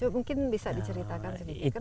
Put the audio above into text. mungkin bisa diceritakan sedikit